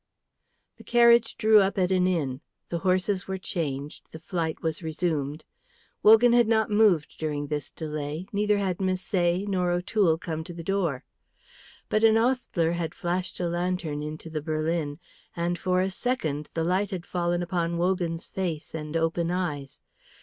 The carriage drew up at an inn; the horses were changed; the flight was resumed. Wogan had not moved during this delay, neither had Misset nor O'Toole come to the door. But an ostler had flashed a lantern into the berlin, and for a second the light had fallen upon Wogan's face and open eyes.